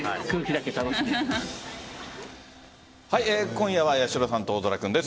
今夜は八代さんと大空君です。